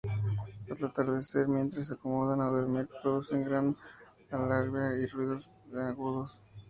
Al atardecer mientras se acomodan a dormir, producen gran algarabía y ruidos bien agudos.